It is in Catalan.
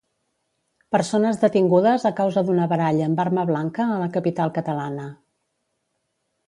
Persones detingudes a causa d'una baralla amb arma blanca a la capital catalana.